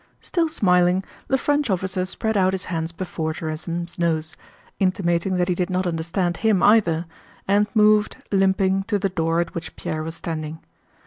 Still smiling, the French officer spread out his hands before Gerásim's nose, intimating that he did not understand him either, and moved, limping, to the door at which Pierre was standing.